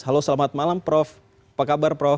halo selamat malam prof apa kabar prof